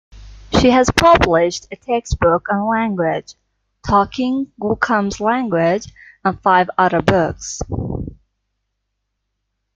She has published a textbook on language: "Talking Gookom's Language" and five other books.